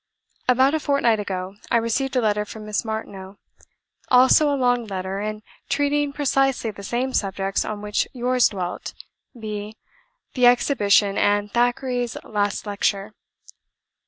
"About a fortnight ago, I received a letter from Miss Martineau; also a long letter, and treating precisely the same subjects on which yours dwelt, viz., the Exhibition and Thackeray's last lecture.